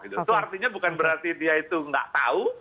itu artinya bukan berarti dia itu nggak tahu